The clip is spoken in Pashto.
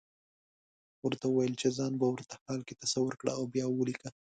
ورته وويل چې ځان په ورته حال کې تصور کړه او بيا وليکه.